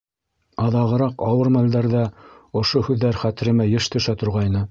Аҙағыраҡ ауыр мәлдәрҙә ошо һүҙҙәр хәтеремә йыш төшә торғайны.